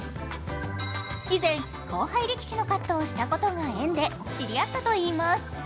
以前、後輩力士のカットをしたことが縁で知り合ったといいます。